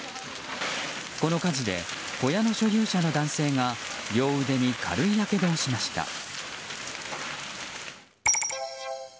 この火事で小屋の所有者の男性が両腕に軽いやけどをしました。